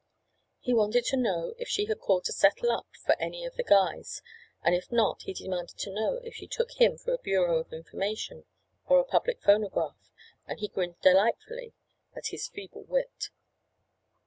He wanted to know if she had called to settle up for any of the "guys" and if not he demanded to know if she took him for a bureau of information or a public phonograph, and he grinned delightfully at his feeble wit.